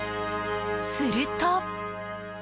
すると。